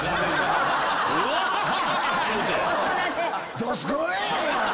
どすこーい！